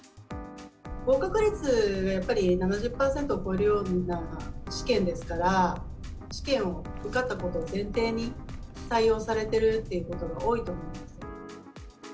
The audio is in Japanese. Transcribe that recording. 合格率がやっぱり７０％を超えるような試験ですから、試験を受けったことを前提に、採用されているっていうことが多いと思います。